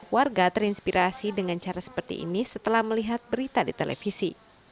warga terinspirasi dengan cara seperti ini setelah melihat berita di televisi